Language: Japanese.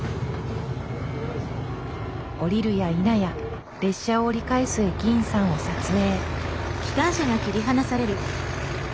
降りるやいなや列車を折り返す駅員さんを撮影。